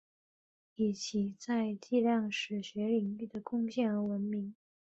以其在计量史学领域的贡献而闻名。